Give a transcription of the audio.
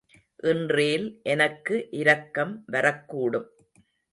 இன்றேல் எனக்கு இரக்கம் வரக்கூடும்.